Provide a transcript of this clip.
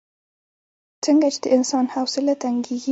څنګه چې د انسان حوصله تنګېږي.